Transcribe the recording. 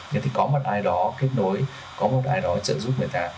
nhưng có một ai đó kết nối có một ai đó trợ giúp người ta